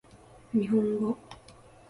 日本語